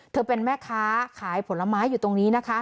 เธอเป็นแม่ค้าขายผลไม้อยู่ตรงนี้นะคะ